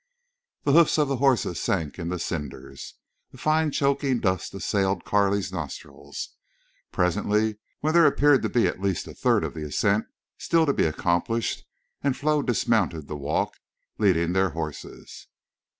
The hoofs of the horses sank in the cinders. A fine choking dust assailed Carley's nostrils. Presently, when there appeared at least a third of the ascent still to be accomplished and Flo dismounted to walk, leading their horses.